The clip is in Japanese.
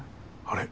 あれ？